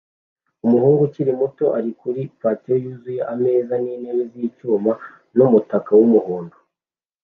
Umuhungu ukiri muto ari kuri patio yuzuyemo ameza n'intebe z'icyuma n'umutaka w'umuhondo